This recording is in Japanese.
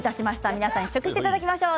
皆さん試食していただきましょう。